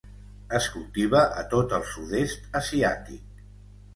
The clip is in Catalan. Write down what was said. Es cultiva a tot el sud-est asiàtic.